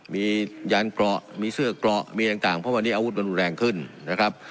มียานเกราะมีเสื้อเกราะมีต่างเพราะวันนี้อาวุธมันรุนแรงขึ้นนะครับ